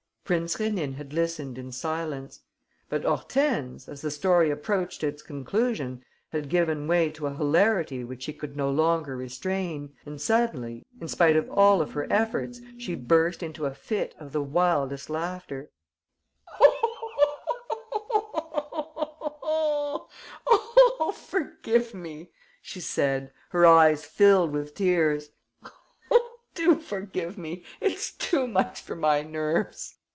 Prince Rénine had listened in silence. But Hortense, as the story approached its conclusion, had given way to a hilarity which she could no longer restrain and suddenly, in spite of all her efforts, she burst into a fit of the wildest laughter: "Forgive me," she said, her eyes filled with tears, "do forgive me; it's too much for my nerves...."